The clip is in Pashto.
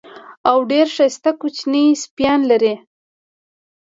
او ډېر ښایسته کوچني سپیان لري.